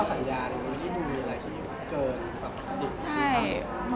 เพราะสัญญาณที่ดูมีอะไรที่เกิน